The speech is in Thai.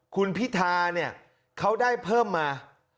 คุณพิธาเนี่ยเขาได้เพิ่มมา